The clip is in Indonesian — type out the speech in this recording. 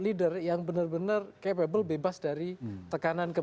leader yang benar benar capable bebas dari tekanan kepentingan itu sepertinya mustahil